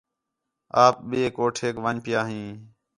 آپ ٻئے کوٹھیک ون٘ڄ پِیا ہیں